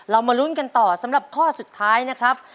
มาลุ้นกันต่อสำหรับข้อสุดท้ายนะครับ